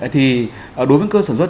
thì đối với cơ sở sản xuất